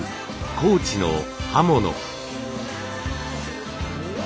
高知の刃物。